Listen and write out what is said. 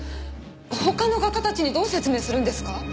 他の画家たちにはどう説明するんですか？